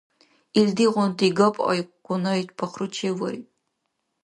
Илдигъунти гапъай Кьуннай пахручеввариб.